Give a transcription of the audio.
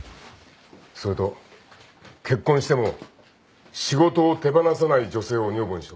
それと結婚しても仕事を手放さない女性を女房にしろ。